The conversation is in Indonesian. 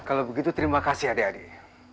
kalau begitu terima kasih adik adik